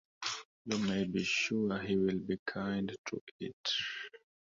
You may be sure he will be kind to it.